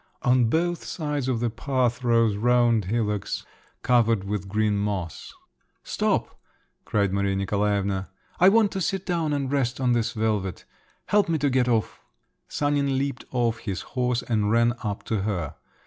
On both sides of the path rose round hillocks covered with green moss. "Stop!" cried Maria Nikolaevna, "I want to sit down and rest on this velvet. Help me to get off." Sanin leaped off his horse and ran up to her.